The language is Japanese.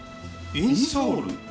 インソール？